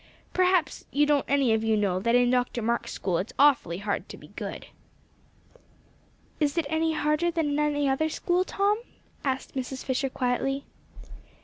Perhaps you don't any of you know, that in Dr. Marks' school it's awfully hard to be good." "Is it any harder than in any other school, Tom?" asked Mrs. Fisher quietly.